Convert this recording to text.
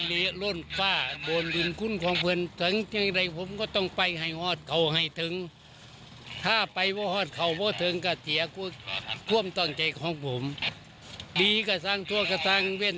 ดีก็เธอก็เซาพวกก็แก่เว่น